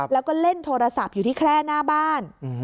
แล้วก็เล่นโทรศัพท์อยู่ที่แคร่หน้าบ้าน